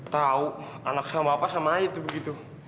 tau anak sama bapak sama ayah itu begitu